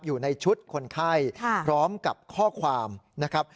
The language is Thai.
อยู่ในชุดคนไข้พร้อมกับข้อความนะครับ